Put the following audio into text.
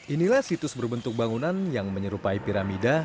inilah situs berbentuk bangunan yang menyerupai piramida